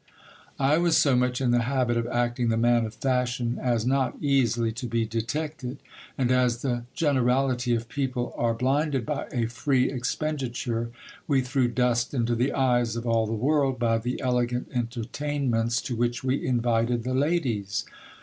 I was so much in the habit of acting the man of fashion, as not easily to be detected ; and as the generality of people are blinded by a free expenditure, we threw dust into the eyes of all the world, by the elegant entertainments to which we invited the ladies.